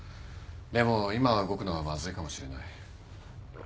でも今は動くのはまずいかもしれない。